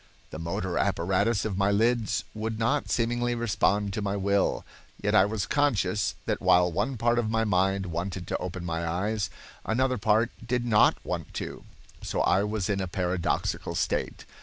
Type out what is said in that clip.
The motor apparatus of my lids would not seemingly respond to my will, yet I was conscious that while one part of my mind wanted to open my eyes, another part did not want to, so I was in a paradoxical state.